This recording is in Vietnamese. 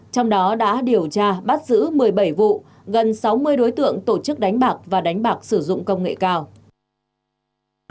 trong đó đã điều tra bắt giữ một mươi bảy vụ gần sáu mươi đối tượng tổ chức đánh bạc và đánh bạc sử dụng công nghệ cao